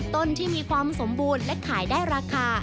ต้นที่มีความสมบูรณ์และขายได้ราคา